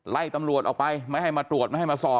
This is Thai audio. ตำรวจออกไปไม่ให้มาตรวจไม่ให้มาสอบ